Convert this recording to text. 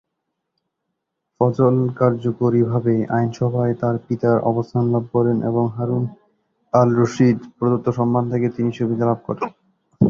ফজল কার্যকরীভাবে আইনসভায় তার পিতার অবস্থান লাভ করেন এবং হারুন আল রশীদ প্রদত্ত সম্মান থেকে তিনি সুবিধা লাভ করেন।